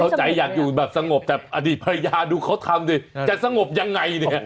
ใจอยากอยู่แบบสงบแต่อดีตภรรยาดูเขาทำดิจะสงบยังไงเนี่ย